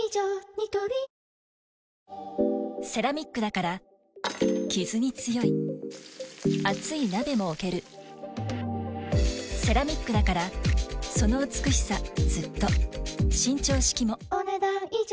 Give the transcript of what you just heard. ニトリセラミックだからキズに強い熱い鍋も置けるセラミックだからその美しさずっと伸長式もお、ねだん以上。